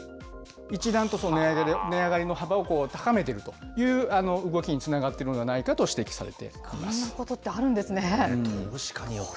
一段と値上がりの幅を高めているという動きにつながっているのでこんなことってあるんですね。